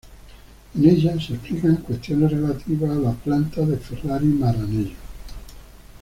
En ella se explican cuestiones relativas a la planta de Ferrari Maranello.